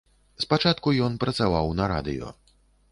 Спачатку ён працаваў на радыё.